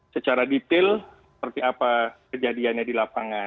secara detail seperti apa kejadiannya di lapangan